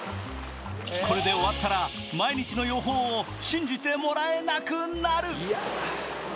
これで終わったら、毎日の予報を信じてもらえなくなる。